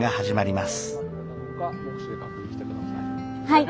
はい。